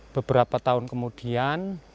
beberapa tahun kemudian